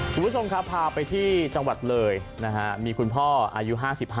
บุษมครับพาไปที่จังหวัดเลยมีคุณพ่ออายุ๕๕